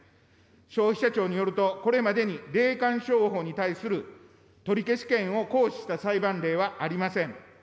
消費者庁によると、これまでに霊感商法に対する取消権を行使した裁判例はありません。